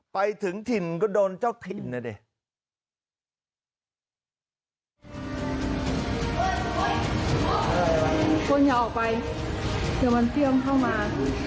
ไปถึงถิ่นก็โดนเจ้าถิ่นน่ะเด้โอ้ยโอ้ยคนอย่าออกไปเดี๋ยวมันเตรียมเข้ามา